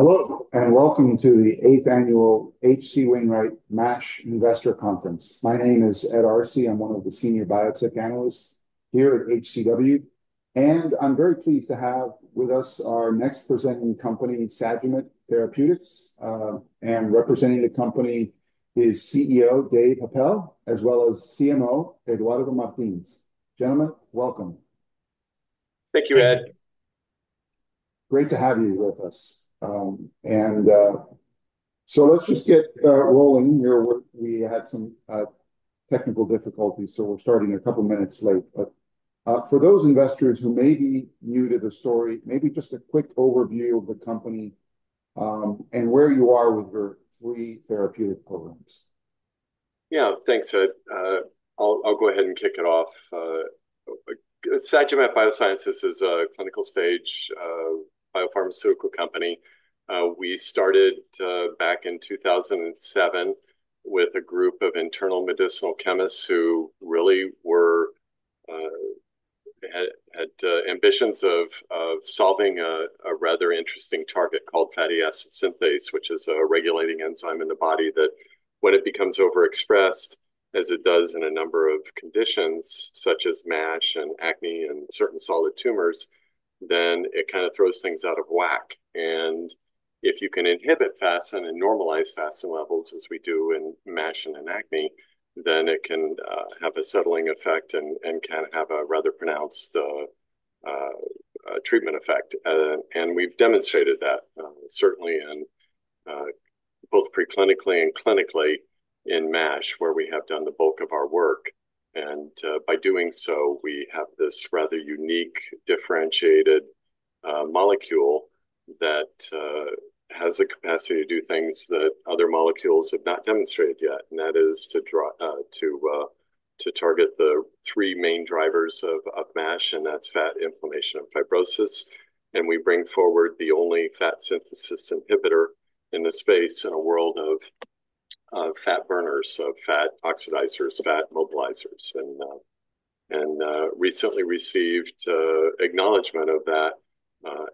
Hello, and welcome to the eighth annual H.C. Wainwright MASH investor conference. My name is Ed Arce. I'm one of the senior biotech analysts here at HCW, and I'm very pleased to have with us our next presenting company, Sagimet Biosciences. And representing the company is CEO Dave Happel, as well as CMO Eduardo Martins. Gentlemen, welcome. Thank you, Ed. Great to have you with us. So let's just get rolling here. We had some technical difficulties, so we're starting a couple of minutes late. But for those investors who may be new to the story, maybe just a quick overview of the company, and where you are with your three therapeutic programs? Yeah. Thanks, Ed. I'll go ahead and kick it off. Sagimet Biosciences is a clinical stage biopharmaceutical company. We started back in 2007 with a group of internal medicinal chemists who really were had ambitions of solving a rather interesting target called fatty acid synthase, which is a regulating enzyme in the body, that when it becomes overexpressed, as it does in a number of conditions such as MASH and acne and certain solid tumors, then it kind of throws things out of whack, and if you can inhibit FASN and normalize FASN levels, as we do in MASH and in acne, then it can have a settling effect and can have a rather pronounced treatment effect. We've demonstrated that certainly in both preclinically and clinically in MASH, where we have done the bulk of our work. By doing so, we have this rather unique, differentiated molecule that has the capacity to do things that other molecules have not demonstrated yet, and that is to target the three main drivers of MASH, and that's fat, inflammation, and fibrosis. We bring forward the only fat synthesis inhibitor in this space, in a world of fat burners, of fat oxidizers, fat mobilizers, and recently received acknowledgement of that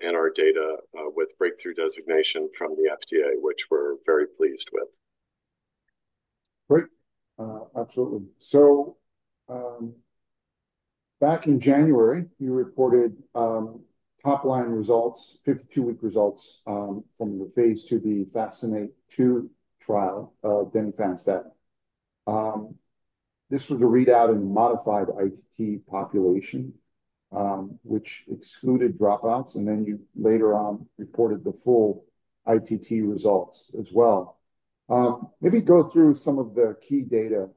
in our data with breakthrough designation from the FDA, which we're very pleased with. Great. Absolutely. So, back in January, you reported top-line results, 52-week results, from the phase II-B FASCINATE-2 trial of denifanstat. This was a readout in modified ITT population, which excluded dropouts, and then you later on reported the full ITT results as well. Maybe go through some of the key data,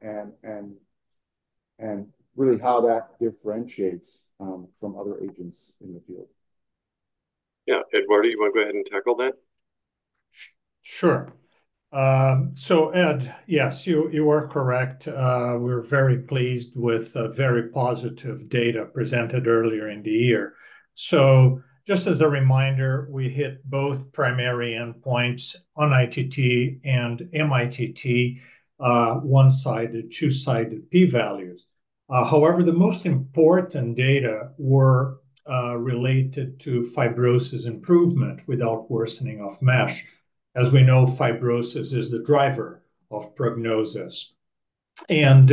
and really how that differentiates from other agents in the field. Yeah. Eduardo, you want to go ahead and tackle that? Sure. So Ed, yes, you are correct. We're very pleased with the very positive data presented earlier in the year. So just as a reminder, we hit both primary endpoints on ITT and mITT, one-sided, two-sided p-values. However, the most important data were related to fibrosis improvement without worsening of MASH. As we know, fibrosis is the driver of prognosis. And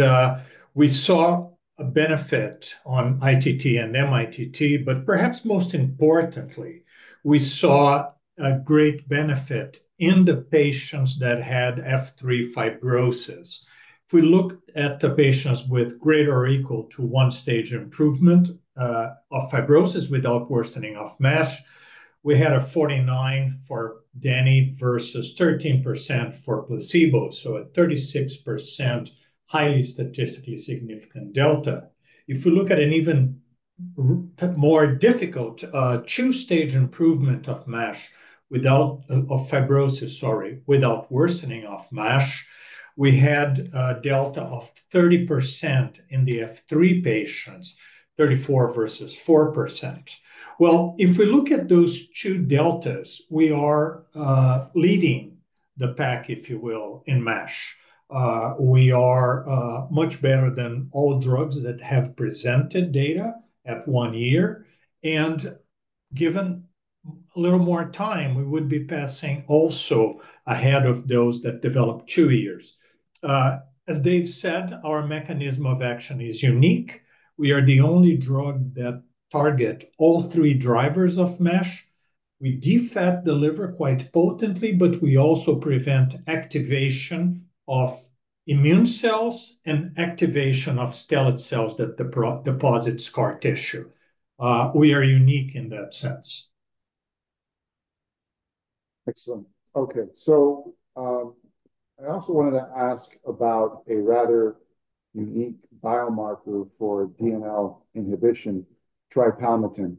we saw a benefit on ITT and mITT, but perhaps most importantly, we saw a great benefit in the patients that had F3 fibrosis. If we look at the patients with greater or equal to one stage improvement of fibrosis without worsening of MASH, we had 49% for denifanstat versus 13% for placebo, so a 36% highly statistically significant delta. If we look at an even more difficult two-stage improvement of MASH without... of fibrosis, sorry, without worsening of MASH, we had a delta of 30% in the F3 patients, 34% versus 4%. If we look at those two deltas, we are leading the pack, if you will, in MASH. We are much better than all drugs that have presented data at one year, and given a little more time, we would be passing also ahead of those that developed two years. As Dave said, our mechanism of action is unique. We are the only drug that target all three drivers of MASH. We defat the liver quite potently, but we also prevent activation of immune cells and activation of stellate cells that deposit scar tissue. We are unique in that sense. Excellent. Okay. So, I also wanted to ask about a rather unique biomarker for DNL inhibition, tripalmitin.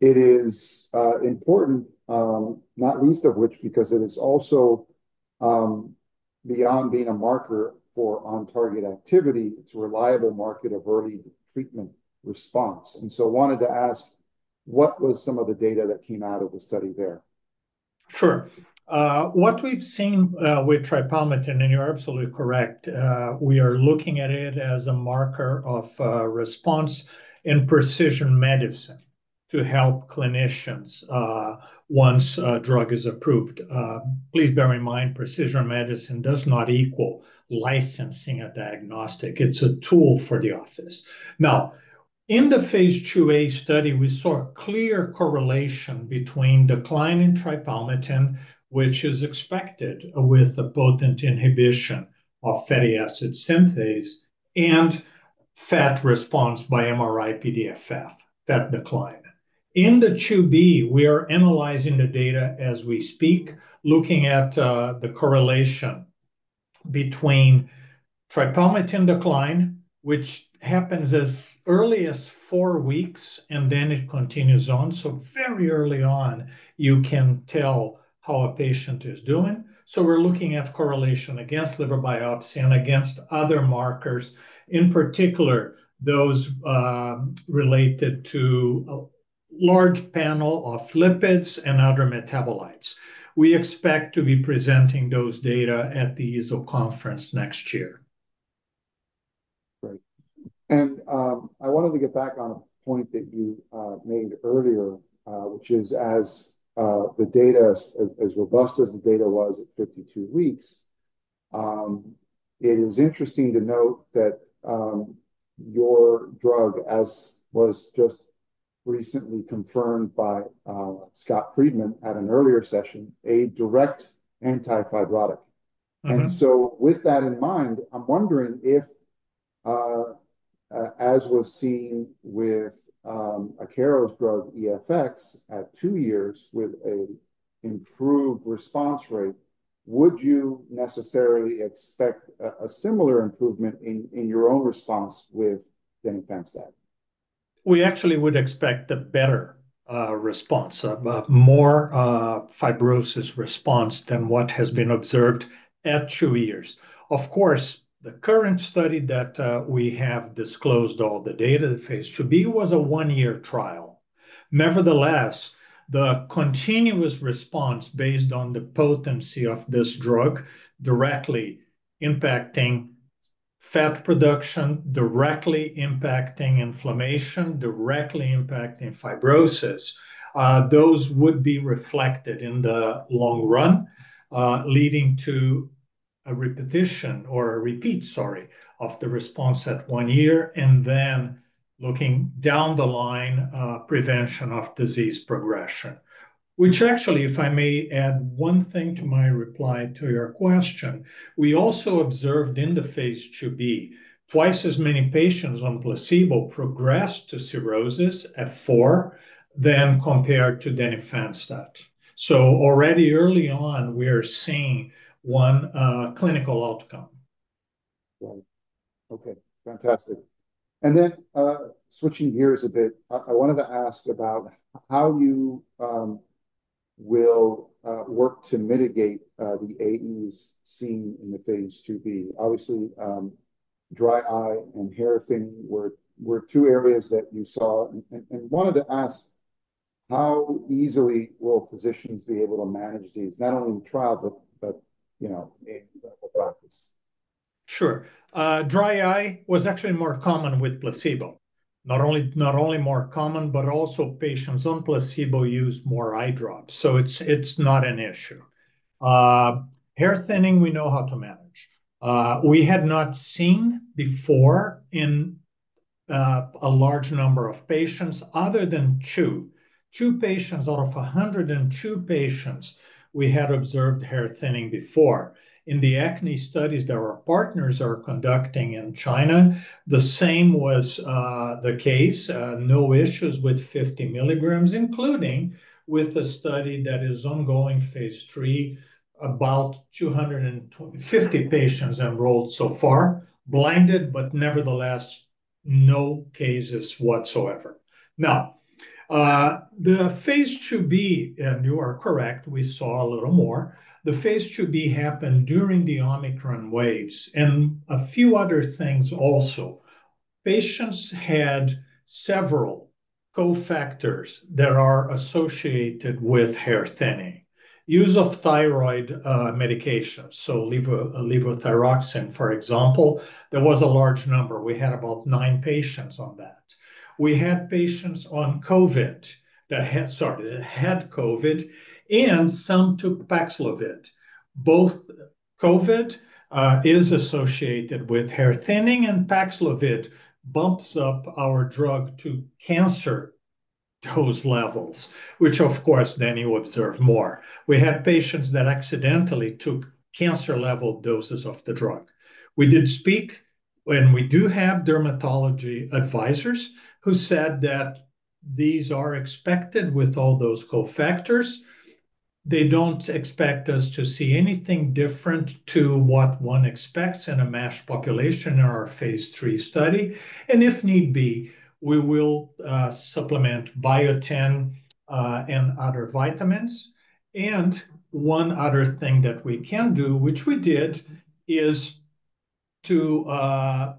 It is important, not least of which because it is also, beyond being a marker for on-target activity, it's a reliable marker of early treatment response. And so I wanted to ask, what was some of the data that came out of the study there? Sure. What we've seen with tripalmitin, and you're absolutely correct, we are looking at it as a marker of response in precision medicine to help clinicians once a drug is approved. Please bear in mind, precision medicine does not equal licensing a diagnostic. It's a tool for the office. Now, in the phase II-A study, we saw a clear correlation between decline in tripalmitin, which is expected with a potent inhibition of fatty acid synthase and fat response by MRI-PDFF, that decline. In the phase II-B, we are analyzing the data as we speak, looking at the correlation between tripalmitin decline, which happens as early as four weeks, and then it continues on. So very early on, you can tell how a patient is doing. We're looking at correlation against liver biopsy and against other markers, in particular, those related to a large panel of lipids and other metabolites. We expect to be presenting those data at the EASL conference next year. Right. And I wanted to get back on a point that you made earlier, which is as robust as the data was at 52 weeks. It is interesting to note that your drug, as was just recently confirmed by Scott Friedman at an earlier session, a direct anti-fibrotic. Mm-hmm. And so with that in mind, I'm wondering if, as was seen with Akero's drug, EFX, at two years with a improved response rate, would you necessarily expect a similar improvement in your own response with denifanstat? We actually would expect a better response, more fibrosis response than what has been observed at two years. Of course, the current study that we have disclosed all the data, the phase II-B, was a one-year trial. Nevertheless, the continuous response based on the potency of this drug directly impacting fat production, directly impacting inflammation, directly impacting fibrosis, those would be reflected in the long run, leading to a repetition or a repeat, sorry, of the response at one year, and then looking down the line, prevention of disease progression. Which actually, if I may add one thing to my reply to your question, we also observed in the phase II-B, twice as many patients on placebo progressed to cirrhosis at F4 than compared to denifanstat. So already early on, we are seeing one clinical outcome. Right. Okay, fantastic. And then, switching gears a bit, I wanted to ask about how you will work to mitigate the AEs seen in the phase II-B. Obviously, dry eye and hair thinning were two areas that you saw. And wanted to ask, how easily will physicians be able to manage these, not only in trial, but you know, in clinical practice? Sure. Dry eye was actually more common with placebo. Not only more common, but also patients on placebo used more eye drops, so it's not an issue. Hair thinning, we know how to manage. We had not seen before in a large number of patients other than two. Two patients out of 102 patients, we had observed hair thinning before. In the acne studies that our partners are conducting in China, the same was the case. No issues with 50 milligrams, including with the study that is ongoing phase III, about 225 patients enrolled so far, blinded, but nevertheless, no cases whatsoever. Now, the phase II-B, and you are correct, we saw a little more. The phase II-B happened during the Omicron waves and a few other things also. Patients had several cofactors that are associated with hair thinning. Use of thyroid medications, so levothyroxine, for example, there was a large number. We had about nine patients on that. We had patients that had COVID, and some took Paxlovid. Both COVID is associated with hair thinning, and Paxlovid bumps up our drug to cancer dose levels, which, of course, then you observe more. We had patients that accidentally took cancer-level doses of the drug. We did speak, and we do have dermatology advisors who said that these are expected with all those cofactors. They don't expect us to see anything different to what one expects in a MASH population in our phase III study. If need be, we will supplement biotin and other vitamins. One other thing that we can do, which we did, is-... to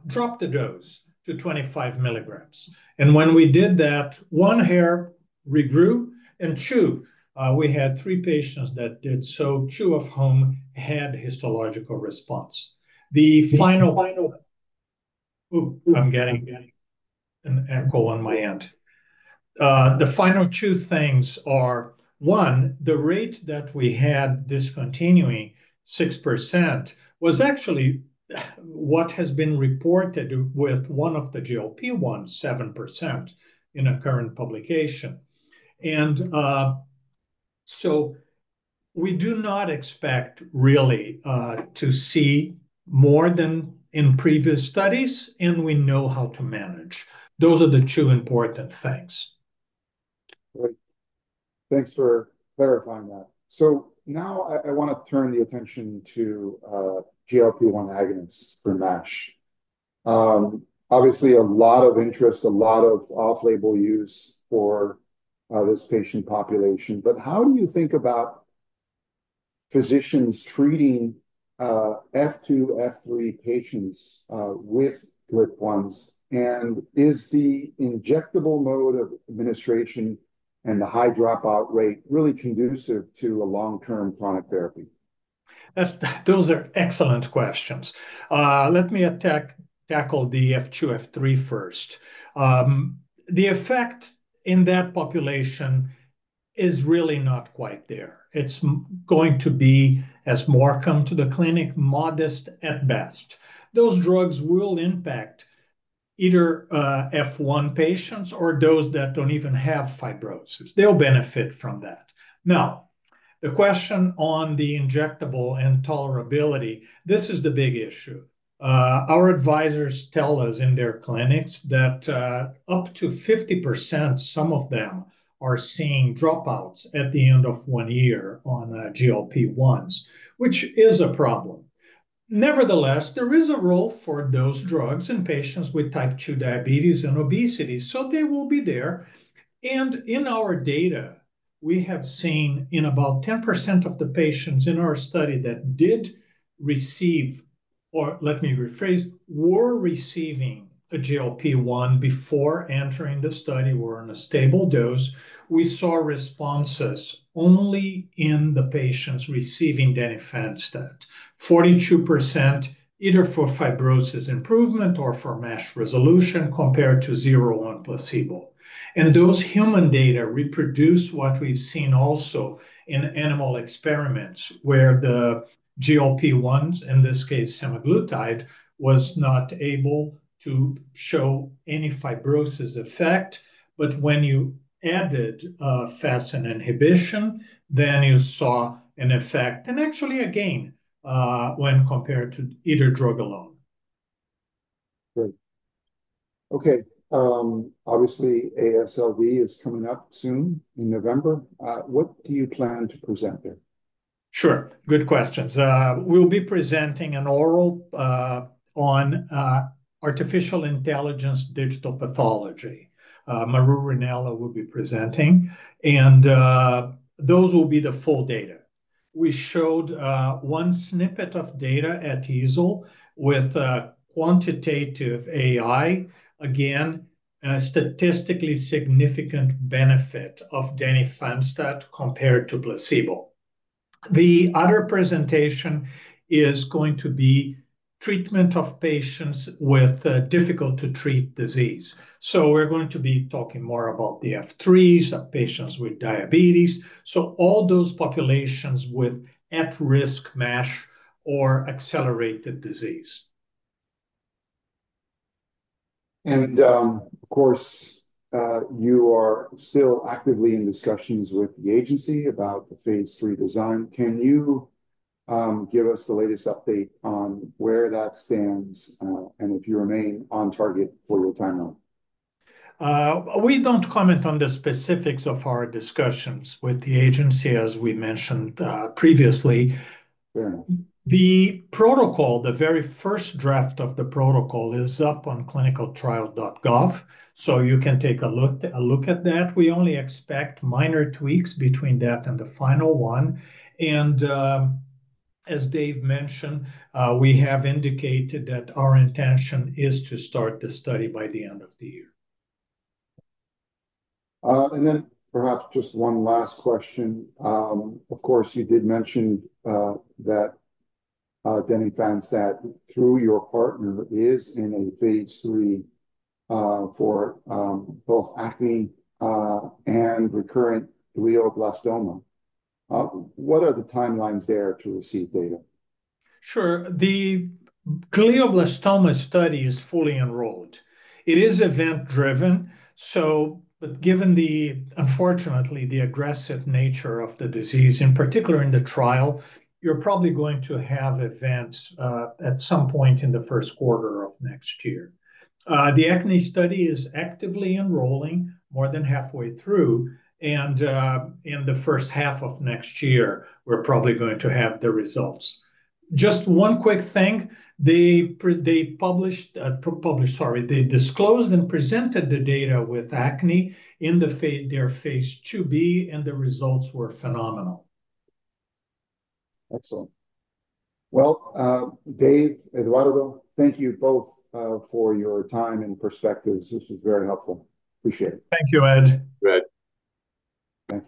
drop the dose to 25 milligrams. And when we did that, one hair regrew, and two, we had three patients that did so, two of whom had histological response. The final two things are, one, the rate that we had discontinuing, 6%, was actually what has been reported with one of the GLP-1, 7%, in a current publication. And so we do not expect really to see more than in previous studies, and we know how to manage. Those are the two important things. Great. Thanks for clarifying that. So now I want to turn the attention to GLP-1 agonists for MASH. Obviously, a lot of interest, a lot of off-label use for this patient population. But how do you think about physicians treating F2, F3 patients with GLP-1s? And is the injectable mode of administration and the high dropout rate really conducive to a long-term chronic therapy? That's. Those are excellent questions. Let me tackle the F2, F3 first. The effect in that population is really not quite there. It's going to be, as more come to the clinic, modest at best. Those drugs will impact either F1 patients or those that don't even have fibrosis. They'll benefit from that. Now, the question on the injectable and tolerability, this is the big issue. Our advisors tell us in their clinics that up to 50%, some of them, are seeing dropouts at the end of one year on GLP-1s, which is a problem. Nevertheless, there is a role for those drugs in patients with type 2 diabetes and obesity, so they will be there. And in our data, we have seen in about 10% of the patients in our study that did receive... Or let me rephrase, who were receiving a GLP-1 before entering the study, were on a stable dose, we saw responses only in the patients receiving denifanstat. 42%, either for fibrosis improvement or for MASH resolution, compared to 0% on placebo. And those human data reproduce what we've seen also in animal experiments, where the GLP-1s, in this case, semaglutide, was not able to show any fibrosis effect. But when you added FASN inhibition, then you saw an effect, and actually again, when compared to either drug alone. Great. Okay, obviously, AASLD is coming up soon in November. What do you plan to present there? Sure. Good questions. We'll be presenting an oral on artificial intelligence digital pathology. Mary Rinella will be presenting, and those will be the full data. We showed one snippet of data at EASL with quantitative AI. Again, a statistically significant benefit of denifanstat compared to placebo. The other presentation is going to be treatment of patients with difficult-to-treat disease. So we're going to be talking more about the F3s, patients with diabetes, so all those populations with at-risk MASH or accelerated disease. Of course, you are still actively in discussions with the agency about the phase III design. Can you give us the latest update on where that stands, and if you remain on target for your timeline? We don't comment on the specifics of our discussions with the agency, as we mentioned, previously. Fair enough. The protocol, the very first draft of the protocol, is up on ClinicalTrials.gov, so you can take a look at that. We only expect minor tweaks between that and the final one. And, as Dave mentioned, we have indicated that our intention is to start the study by the end of the year. And then perhaps just one last question. Of course, you did mention that denifanstat, through your partner, is in a phase III for both acne and recurrent glioblastoma. What are the timelines there to receive data? Sure. The glioblastoma study is fully enrolled. It is event-driven, so but given the unfortunately the aggressive nature of the disease, in particular in the trial, you're probably going to have events at some point in the first quarter of next year. The acne study is actively enrolling, more than halfway through, and in the first half of next year, we're probably going to have the results. Just one quick thing: they published, sorry, they disclosed and presented the data with acne in their phase II-B, and the results were phenomenal. Excellent. Dave, Eduardo, thank you both for your time and perspectives. This was very helpful. Appreciate it. Thank you, Ed. Good. Thank you.